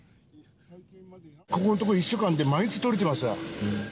ここのところ、１週間で毎日取れてます。